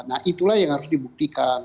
nah itulah yang harus dibuktikan